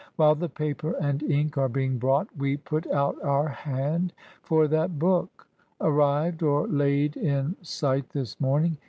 While the paper and ink are being brought, we put out our hand for that book, — arrived or laid in sight 60 ESSAYS. this morning.